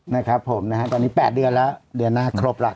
นะครับผมนะฮะตอนนี้๘เดือนแล้วเดือนหน้าครบแล้ว